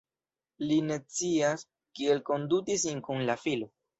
Li ne scias kiel konduti sin kun la filo.